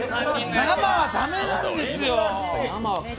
生は駄目なんですよ！